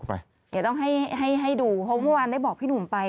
เดี๋ยวต้องให้ดูเพราะเมื่อวานได้บอกพี่หนุ่มไป